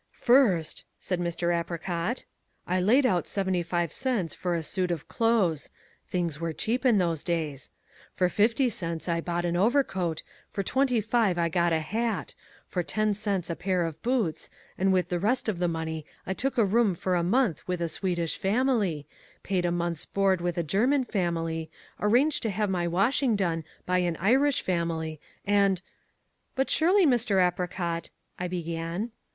"First," said Mr. Apricot, "I laid out seventy five cents for a suit of clothes (things were cheap in those days); for fifty cents I bought an overcoat, for twenty five I got a hat, for ten cents a pair of boots, and with the rest of my money I took a room for a month with a Swedish family, paid a month's board with a German family, arranged to have my washing done by an Irish family, and " "But surely, Mr. Apricot " I began.